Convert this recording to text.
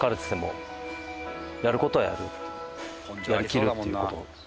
やりきるっていう事。